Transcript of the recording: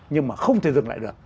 nhưng mà không thể dừng lại được